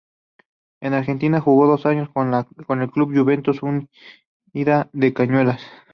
En Argentina, jugó dos años con el Club Juventud Unida de Cañuelas.